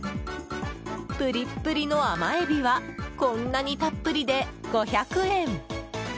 ぷりっぷりの甘エビはこんなにたっぷりで５００円。